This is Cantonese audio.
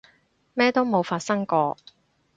咩都冇發生過